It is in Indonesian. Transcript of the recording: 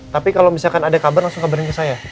tapi kalau misalkan ada kabar langsung kabarnya ke saya